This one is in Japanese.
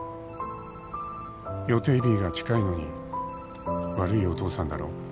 「予定日が近いのに悪いお父さんだろ？」